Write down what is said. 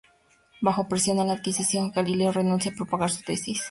Bajo presión de la Inquisición, Galileo renuncia a propagar sus tesis.